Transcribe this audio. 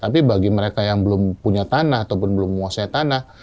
tapi bagi mereka yang belum punya tanah ataupun belum menguasai tanah